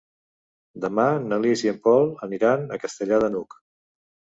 Demà na Lis i en Pol aniran a Castellar de n'Hug.